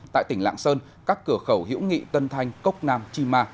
tại tỉnh lạng sơn các cửa khẩu hiễu nghị tân thanh cốc nam chi ma